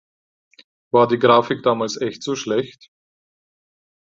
War die Grafik damals echt so schlecht?